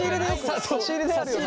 差し入れであるよな。